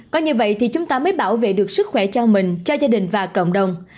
có như vậy thì chúng ta mới bảo vệ được sức khỏe cho mình cho gia đình và cộng đồng